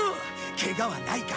ケガはないか？